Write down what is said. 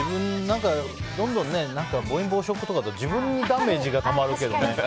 どんどん暴飲暴食だと自分にダメージがたまるけどね。